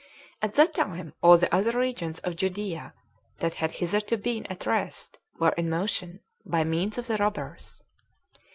At that time all the other regions of Judea that had hitherto been at rest were in motion, by means of the robbers.